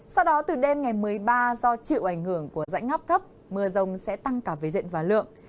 sau đó từ đêm ngày một mươi ba do chịu ảnh hưởng của rãnh ngắp thấp mưa rông sẽ tăng cả về diện và lượng